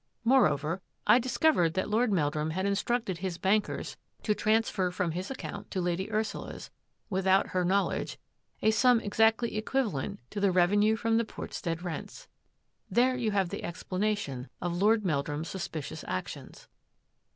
Moreover, I discovered that Lord Meldrum had instructed his bankers to trans fer from his account to Lady Ursula's, without her knowledge, a sum exactly equivalent to the revenue from the Portstead rei; its. There you have the explanation of Lord Meldrum's suspicious actions.